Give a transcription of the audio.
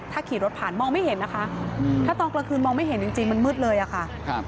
ถ้าขี่รถผ่านมองไม่เห็นนะคะถ้าตอนกลางคืนมองไม่เห็นจริงจริงมันมืดเลยอะค่ะ